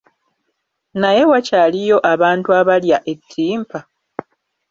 Naye wakyaliyo abantu abalya ettimpa?